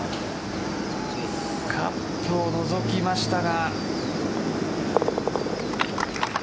カップをのぞきましたが。